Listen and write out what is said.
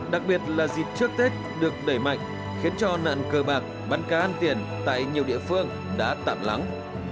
đặc biệt là dịp trước tết được đẩy mạnh khiến cho nạn cờ bạc bắn cá an tiền tại nhiều địa phương đã tạm lắng